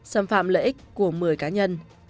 xâm phạm lợi ích của một mươi cá nhân